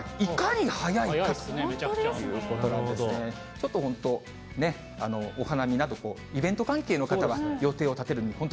ちょっと本当ね、お花見など、イベント関係の方は予定を立てるのに、本当。